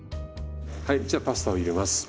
はいじゃパスタを入れます。